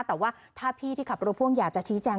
แต่ว่าถ้าพี่ที่ขับรถพ่วงอยากจะชี้แจง